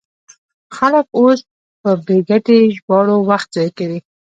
خلک اوس په بې ګټې ژباړو وخت ضایع کوي.